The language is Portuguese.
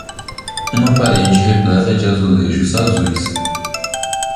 Uma parede repleta de azulejos azuis